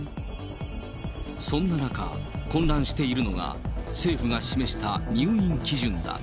そんな中、混乱しているのが政府が示した入院基準だ。